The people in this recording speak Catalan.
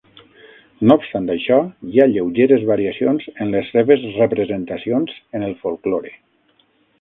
No obstant això, hi ha lleugeres variacions en les seves representacions en el folklore.